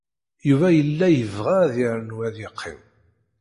Yuba yella yebɣa ad yernu ad yeqqim.